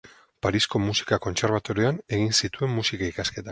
Parisko Musika Kontserbatorioan egin zituen musika-ikasketak.